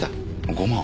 ５万。